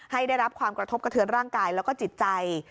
ได้รับความกระทบกระเทือนร่างกายแล้วก็จิตใจ